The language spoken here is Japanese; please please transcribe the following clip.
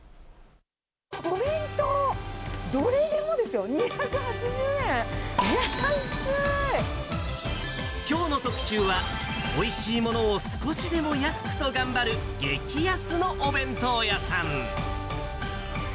お弁当、どれでもですよ、きょうの特集は、おいしいものを少しでも安くと頑張る、激安のお弁当屋さん。